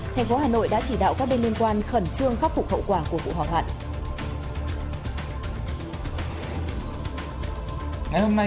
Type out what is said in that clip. thành phố hà nội đã chỉ đạo các bên liên quan khẩn trương khắc phục hậu quả của vụ hỏa hoạn